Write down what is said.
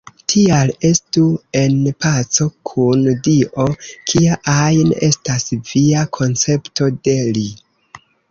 Tial estu en paco kun Dio, kia ajn estas via koncepto de Li.